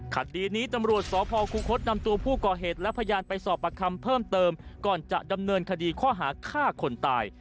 คดีนี้ตำรวจสพคุคศนำตัวผู้ก่อเหตุและพยานไปสอบประคำเพิ่มเติมก่อนจะดำเนินคดีข้อหาฆ่าคนตาย